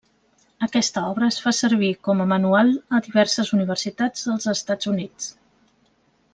Aquesta obra es fa servir com a manual a diverses universitats dels Estats Units.